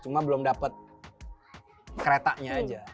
cuma belum dapat keretanya aja